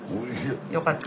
よかった。